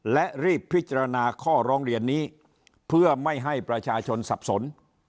และรีบพิจารณาข้อร้องเรียนนี้เพื่อไม่ให้ประชาชนสับสน